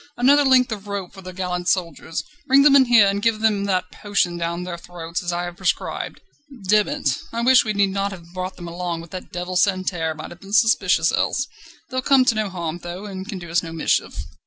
another length of rope for the gallant soldiers. Bring them in here, then give them that potion down their throats, as I have prescribed. Demm it! I wish we need not have brought them along, but that devil Santerre might have been suspicious else. They'll come to no harm, though, and can do us no mischief."